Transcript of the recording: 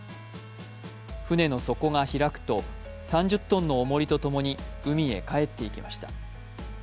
船の底が開くと、３０ｔのおもりとともに海へ帰っていきました。